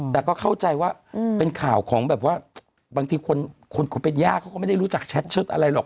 แต่ก็เข้าใจว่าเป็นข่าวของแบบว่าบางทีคนเป็นย่าเขาก็ไม่ได้รู้จักแชทเชิดอะไรหรอก